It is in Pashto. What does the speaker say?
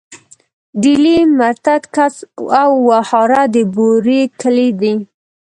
ډيلی، مرتت، کڅ او وهاره د بوري کلي دي.